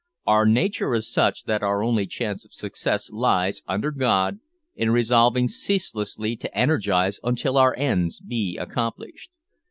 Our nature is such, that our only chance of success lies, under God, in resolving ceaselessly to energise until our ends be accomplished.